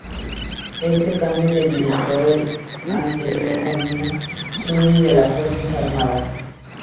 Este cambio debilitó el anterior dominio suní de las Fuerzas Armadas.